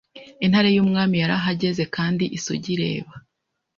Intare yumwami yarahagaze Kandi isugi ireba